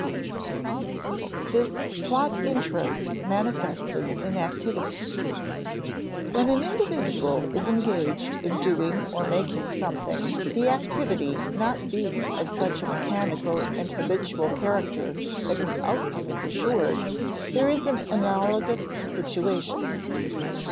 [Sidenote: This "plot interest" manifested in activity,] When an individual is engaged in doing or making something (the activity not being of such a mechanical and habitual character that its outcome is assured), there is an analogous situation.